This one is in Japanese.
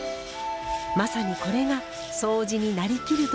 まさにこれが「そうじになりきる」という境地。